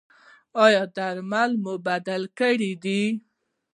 ایا درمل مو بدل کړي دي؟